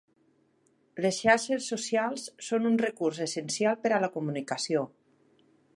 Les xarxes socials són un recurs essencial per a la comunicació.